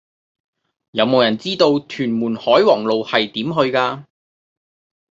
有無人知道屯門海皇路係點去㗎